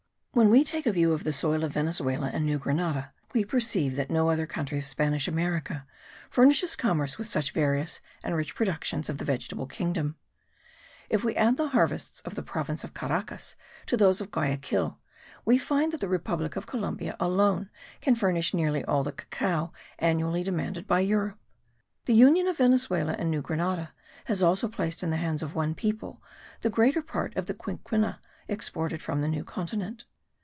When we take a view of the soil of Venezuela and New Grenada we perceive that no other country of Spanish America furnishes commerce with such various and rich productions of the vegetable kingdom. If we add the harvests of the province of Caracas to those of Guayaquil, we find that the republic of Columbia alone can furnish nearly all the cacao annually demanded by Europe. The union of Venezuela and New Grenada has also placed in the hands of one people the greater part of the quinquina exported from the New Continent.